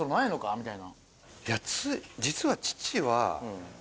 みたいな。